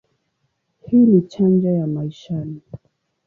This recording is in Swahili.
Hii ni chanjo ya maishani.